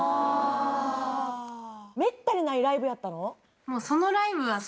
あめったにないライブやったの？